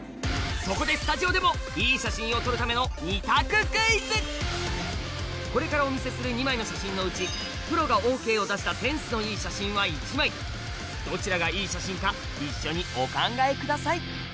そこでスタジオでもいい写真を撮るためのこれからお見せする２枚の写真のうちプロがＯＫを出したセンスのいい写真は１枚どちらがいい写真か一緒にお考えください